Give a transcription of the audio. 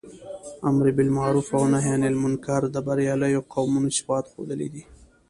امر باالمعروف او نهي عنالمنکر د برياليو قومونو صفات ښودلي دي.